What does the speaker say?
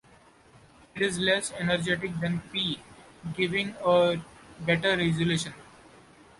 It is less energetic than P, giving a better resolution.